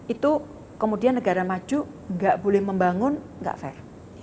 itu kemudian negara maju gak boleh membangun gak fair